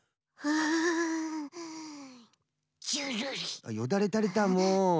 あっよだれたれたもう。